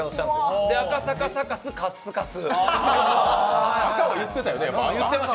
それで赤坂サカス、カッスカス。